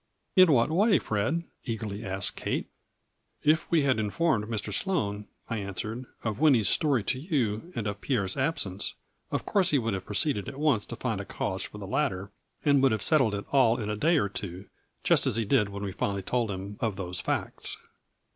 " In what way, Fred? " eagerly asked Kate. " If we had informed Mr. Sloane," I answered " of Winnie's story to you, and of Pierre's absence, of course he would have proceeded at once to find a cause for the latter, and would have settled it all in a day or two, just as he did when we finally told him of those facts.